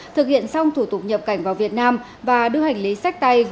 thực hiện xong thủ tục nhập cảnh vào việt nam và đưa hành lý sách tay